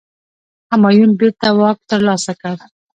همایون بیرته واک ترلاسه کړ.